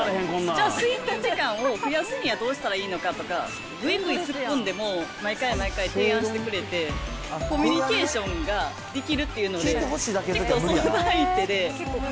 じゃあ、睡眠時間を増やすにはどうしたらいいのか？とか、ぐいぐい突っ込んでも、毎回毎回、提案してくれて、コミュニケーションができるっていうので、結構、相談相手で。